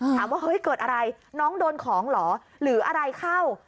ถามว่าเฮ้ยเกิดอะไรน้องโดนของเหรอหรืออะไรเข้า